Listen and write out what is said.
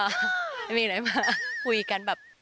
ไม่มีอะไรมาคุยกันแบบ